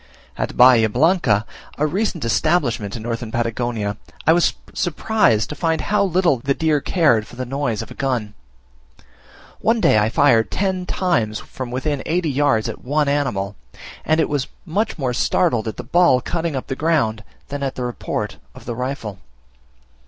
At Bahia Blanca, a recent establishment in Northern Patagonia, I was surprised to find how little the deer cared for the noise of a gun: one day I fired ten times from within eighty yards at one animal; and it was much more startled at the ball cutting up the ground than at the report of the rifle.